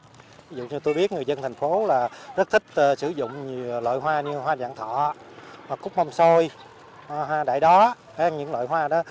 ví dụ như tôi biết người dân thành phố là rất thích sử dụng nhiều loại hoa như hoa dạng thọ hoa cúc mông sôi hoa đại đó những loại hoa đó